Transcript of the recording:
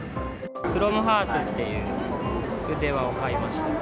クロムハーツっていう腕輪を買いました。